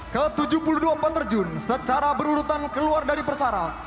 ke tujuh puluh dua penerjun secara berurutan keluar dari persara